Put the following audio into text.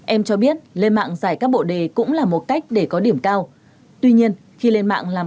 em cho biết lên mạng giải các bộ đề cũng là một cách để có điểm cao tuy nhiên khi lên mạng làm